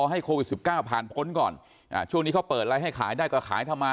ให้โควิท๑๙ผ่านพ้นก่อนช่วงนี้เขาเปิดไลน์ให้ขายได้ก็ขายทำ์มาหา